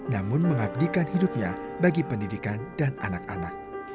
namun mengabdikan hidupnya bagi pendidikan dan anak anak